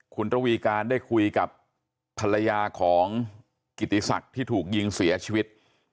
คุณระวีการได้คุยกับภรรยาของกิติศักดิ์ที่ถูกยิงเสียชีวิต